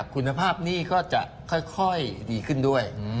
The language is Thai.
คุณภาพหนี้ก็จะค่อยดีขึ้นด้วย